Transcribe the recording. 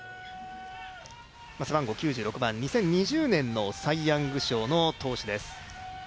背番号９６番、２０２０年のサイ・ヤング賞の投手です